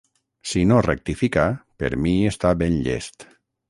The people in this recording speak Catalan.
Si no rectifica, per mi està ben llest.